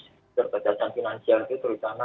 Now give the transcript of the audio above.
keterbatasan finansial itu terutama